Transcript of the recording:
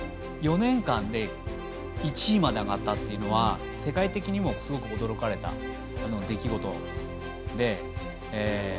４年間で１位まで上がったというのは世界的にもすごく驚かれた出来事で。